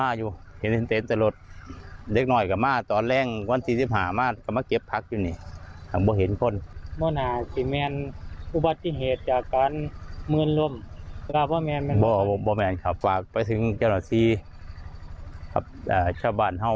ครับเอ่อชาวบ้านเห่าครับห้าบ่อเสียซ้อยกัน